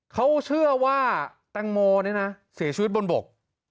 เขาเชื่อว่าแตงโมนี่นะเสียชีวิตบนบก